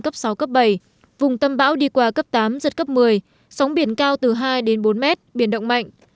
cấp sáu bảy vùng tâm bão đi qua cấp tám giật cấp một mươi sóng biển cao từ hai bốn m biển động mạnh